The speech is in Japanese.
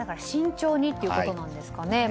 慎重にということなんですかね。